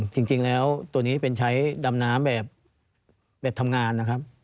จริงแล้วตัวนี้เป็นใช้ดำน้ำแบบทำงานนะครับ